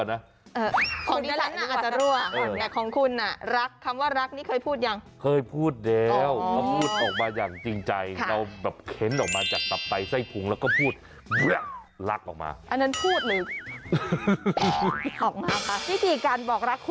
นี่ไงพี่จานว่ารักอยากจะพูดแต่รัก